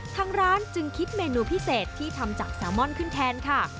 ทางร้านจึงคิดเมนูพิเศษที่ทำจากแซลมอนขึ้นแทนค่ะ